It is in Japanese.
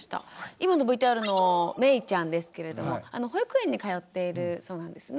今のＶＴＲのめいちゃんですけれども保育園に通っているそうなんですね。